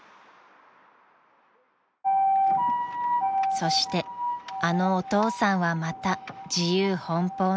［そしてあのお父さんはまた自由奔放に］